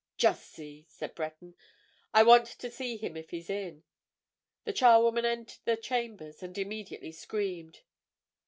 "Just see," said Breton. "I want to see him if he is in." The charwoman entered the chambers and immediately screamed.